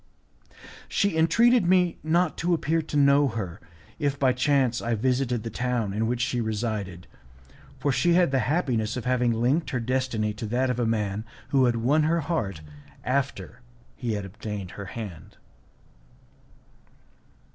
She entreated me not to appear to know her, if by chance I visited the town in which she resided, for she had the happiness of having linked her destiny to that of a man who had won her heart after he had obtained her hand.